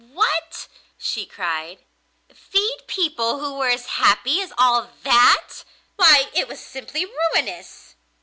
'What!' she cried, 'feed people who were as happy as all that! Why, it was simply ruinous!